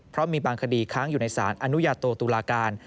เพราะมีบางคดีค้างอยู่ในสารอนุญาโตตุลาการ